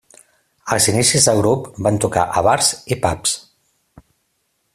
Als inicis del grup, van tocar a bars i pubs.